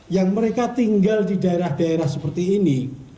yang mereka tinggal di daerah daerah seperti ini